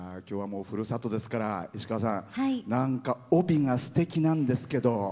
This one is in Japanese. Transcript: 今日はもうふるさとですから石川さん何か帯がすてきなんですけど。